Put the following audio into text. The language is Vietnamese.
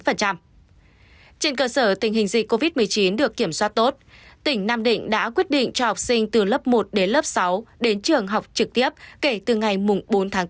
trên cơ sở tình hình dịch covid một mươi chín được kiểm soát tốt tỉnh nam định đã quyết định cho học sinh từ lớp một đến lớp sáu đến trường học trực tiếp kể từ ngày bốn tháng bốn